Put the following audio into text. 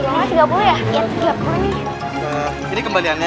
malik tidak kenal dengan saya